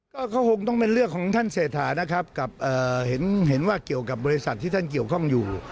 ก็เขาคงต้องเป็นเรื่องของท่านเศรษฐานะครับกับเห็นว่าเกี่ยวกับบริษัทที่ท่านเกี่ยวข้องอยู่